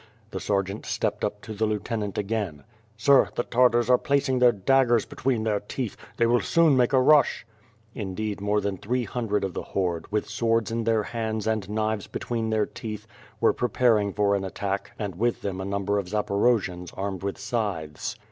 The sergeant stepped up to the lieutenant again: "Sir, the Tartars are placing their daggers between their teeth; they will soon make a rush." Indeed more than three hundred of the horde, with swords in their hands and knives between their teeth, were prepar ing for an attack and with them a 1 umber of Zaporojians armed with scythes.